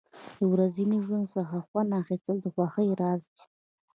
د ورځني ژوند څخه خوند اخیستل د خوښۍ راز دی.